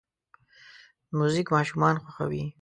موزیک ماشومان خوښوي.